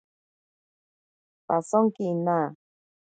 Pasonki ina.